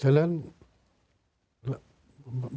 สังเกียรติ